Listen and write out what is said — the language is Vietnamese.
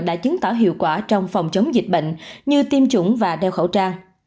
đã chứng tỏ hiệu quả trong phòng chống dịch bệnh như tiêm chủng và đeo khẩu trang